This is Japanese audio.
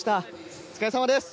お疲れさまです。